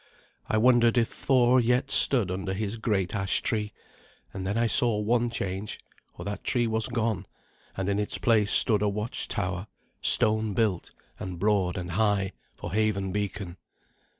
I wondered if Thor yet stood under his great ash tree; and then I saw one change, for that tree was gone, and in its place stood a watchtower, stone built, and broad and high, for haven beacon.